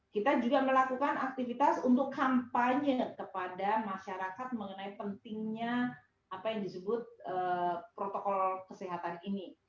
kita juga melakukan aktivitas untuk kampanye kepada masyarakat mengenai pentingnya apa yang disebut protokol kesehatan ini